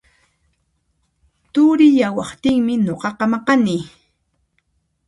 Turiyawaqtinmi nuqaqa maqani